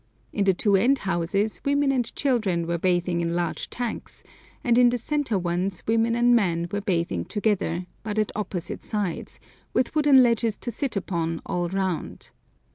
In the two end houses women and children were bathing in large tanks, and in the centre ones women and men were bathing together, but at opposite sides, with wooden ledges to sit upon all round.